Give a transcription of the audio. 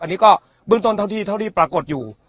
อันนี้ก็เบื้องต้นเท่าที่ปรากฏอยู่